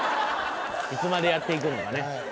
いつまでやっていくのかね。